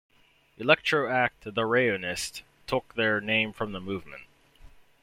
Electro act "The Rayonists" took their name from the movement.